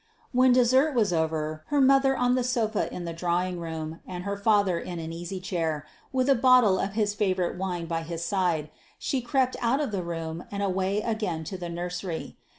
When dessert was over, her mother on the sofa in the drawing room, and her father in an easy chair, with a bottle of his favourite wine by his side, she crept out of the room and away again to the nursery.